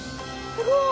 すごい！